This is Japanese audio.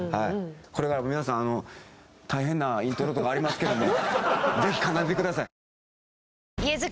これからも皆さんあの大変なイントロとかありますけども。